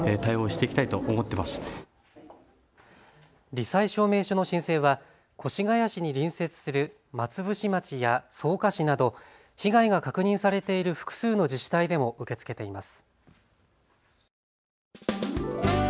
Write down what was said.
り災証明書の申請は越谷市に隣接する松伏町や草加市など被害が確認されている複数の自治体でも受け付けています。